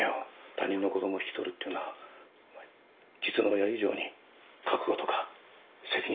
他人の子供を引き取るっていうのはお前実の親以上に覚悟とか責任とかが必要だろ。